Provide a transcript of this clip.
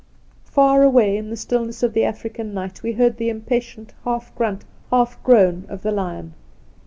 Far away in the stillness of the African night we heard the impatient half grunt, half groan of the lion.